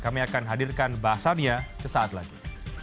kami akan hadirkan bahasannya ke saat lagi